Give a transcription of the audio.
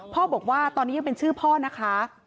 บอกว่าตอนนี้ยังเป็นชื่อพ่อนะคะ